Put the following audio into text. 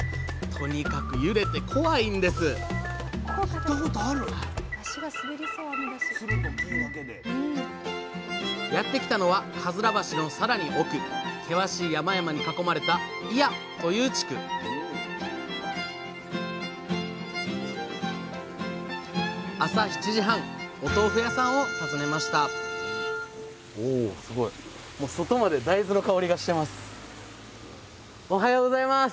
とにかく揺れて怖いんですやって来たのはかずら橋のさらに奥険しい山々に囲まれた祖谷という地区朝７時半お豆腐屋さんを訪ねましたおはようございます！